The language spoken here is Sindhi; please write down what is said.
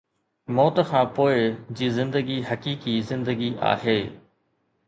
موت کان پوءِ جي زندگي حقيقي زندگي آهي